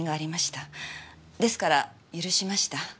ですから許しました。